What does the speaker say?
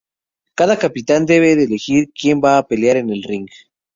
Cada capitan debe elegir quien va a pelear en el ring.